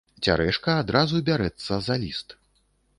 Цярэшка адразу бярэцца за ліст.